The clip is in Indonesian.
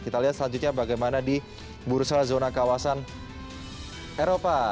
kita lihat selanjutnya bagaimana di bursa zona kawasan eropa